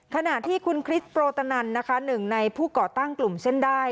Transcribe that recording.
ขณะที่คุณคริสโปรตนันนะคะหนึ่งในผู้ก่อตั้งกลุ่มเส้นได้